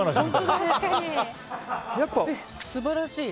素晴らしい。